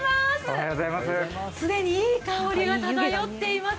既にいい香りが漂っています。